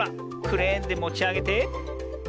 クレーンでもちあげて。